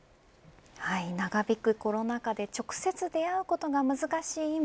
長引くコロナ禍で直接出会うことが難しい